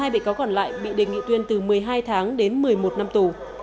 hai mươi bị cáo còn lại bị đề nghị tuyên từ một mươi hai tháng đến một mươi một năm tù